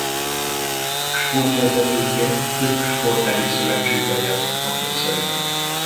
Sportvezetőként több sportági szövetségben játszott fontos szerepet.